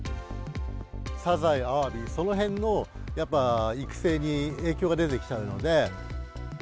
サザエ、アワビ、そのへんのやっぱ育成に影響が出てきちゃうので。